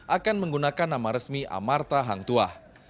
akan menggunakan nama resmi amarta hangtua